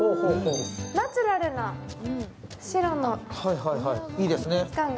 ナチュラルな白の質感が。